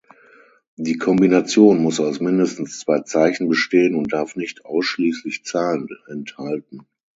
Die Kombination muss aus mindestens zwei Zeichen bestehen und darf nicht ausschließlich Zahlen enthalten.